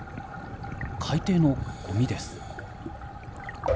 海底のゴミです。